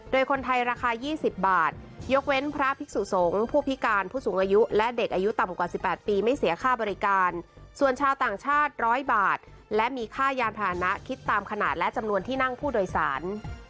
โดยคนไทยราคา๒๐บาทยกเว้นพระภิกษุสงฆ์ผู้พิการผู้สูงอายุและเด็กอายุต่ำกว่า๑๘ปีไม่เสียค่าบริการส่วนชาวต่างชาติ๑๐๐บาทและมีค่ายานพานะคิดตามขนาดและจำนวนที่นั่งผู้โดยสาร